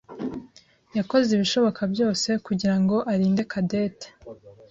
yakoze ibishoboka byose kugirango arinde Cadette.